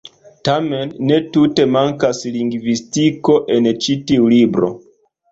Tamen ne tute mankas lingvistiko en ĉi tiu libro.